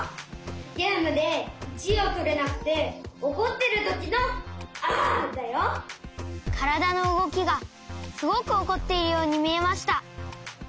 ゲームで１いをとれなくておこってるときの「あ！」だよ。からだのうごきがすごくおこっているようにみえました。